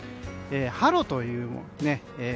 ハロというね。